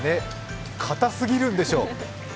かた過ぎるんでしょう？